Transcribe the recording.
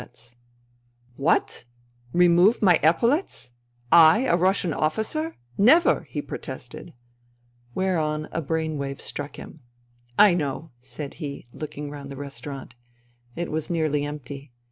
INTERVENING IN SIBERIA 111 " What ! Remove my epaulets I I, a Russian officer ? Never !*' he protested. Whereon a brain wave struck him. *' I know/* said he, looking round the restaurant. It was nearly empty.